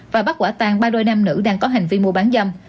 và bắt quả tang ba đôi nam nữ đang có hành vi mua bán dâm